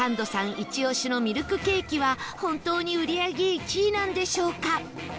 イチ押しのミルクケーキは本当に売り上げ１位なんでしょうか？